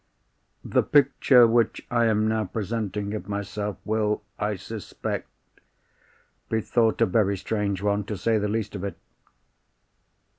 The picture which I am now presenting of myself, will, I suspect, be thought a very strange one, to say the least of it.